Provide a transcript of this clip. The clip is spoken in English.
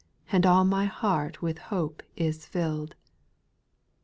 And all my heart with hope is filFd.